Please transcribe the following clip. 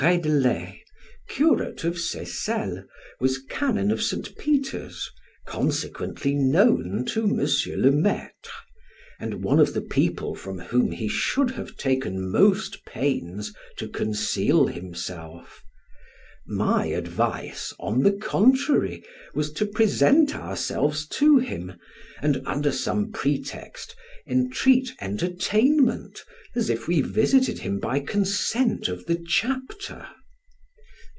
Reydelet, curate of Seyssel, was canon of St. Peter's, consequently known to M. le Maitre, and one of the people from whom he should have taken most pains to conceal himself; my advice, on the contrary, was to present ourselves to him, and, under some pretext, entreat entertainment as if we visited him by consent of the chapter.